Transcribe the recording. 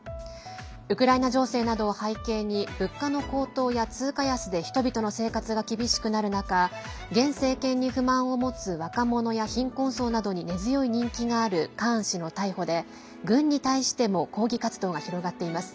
ウクライナ情勢などを背景に物価の高騰や通貨安で人々の生活が厳しくなる中現政権に不満を持つ若者や貧困層などに根強い人気があるカーン氏の逮捕で、軍に対しても抗議活動が広がっています。